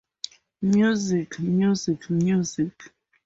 Music, Music, Music.